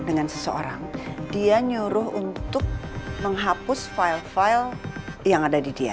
dengan seseorang dia nyuruh untuk menghapus file file yang ada di dia